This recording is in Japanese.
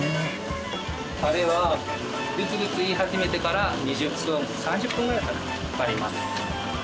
タレはグツグツいい始めてから２０分３０分ぐらいかなかかります。